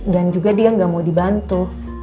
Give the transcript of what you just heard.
dan juga dia gak mau dibantu